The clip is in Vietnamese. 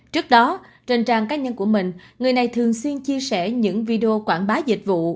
trước đó trên trang cá nhân của mình người này thường xuyên chia sẻ những video quảng bá dịch vụ